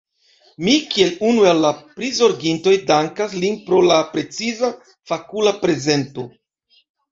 Mi kiel unu el la prizorgintoj dankas lin pro la preciza, fakula prezento.